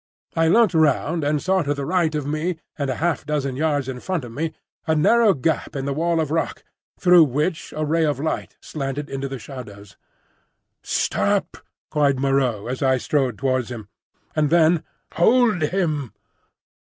I looked round and saw to the right of me and a half dozen yards in front of me a narrow gap in the wall of rock through which a ray of light slanted into the shadows. "Stop!" cried Moreau as I strode towards this, and then, "Hold him!"